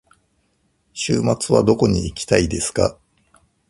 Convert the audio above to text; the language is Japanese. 週末はどこに行きたいですか。